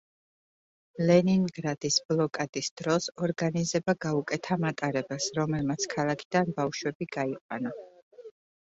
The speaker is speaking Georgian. ლენინგრადის ბლოკადის დროს, ორგანიზება გაუკეთა მატარებელს, რომელმაც ქალაქიდან ბავშვები გაიყვანა.